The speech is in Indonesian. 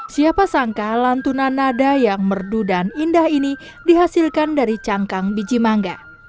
siapa sangka lantunan nada yang merdu dan indah ini dihasilkan dari cangkang biji mangga